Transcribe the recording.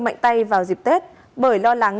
mạnh tay vào dịp tết bởi lo lắng